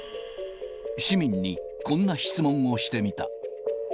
市民にこんな質問をしてみた。